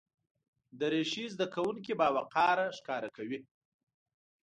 دریشي زده کوونکي باوقاره ښکاره کوي.